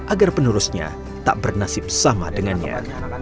agar penerusnya tak bernasib sama dengannya